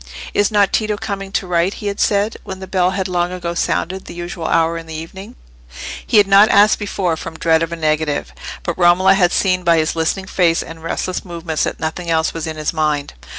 "Is not Tito coming to write?" he had said, when the bell had long ago sounded the usual hour in the evening. He had not asked before, from dread of a negative; but Romola had seen by his listening face and restless movements that nothing else was in his mind.